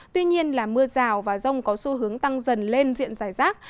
tuy nhiên là mưa rào và rông có xu hướng tăng dần lên diện dài rác